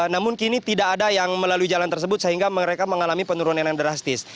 namun kini tidak ada yang melalui jalan tersebut sehingga mereka mengalami penurunan yang drastis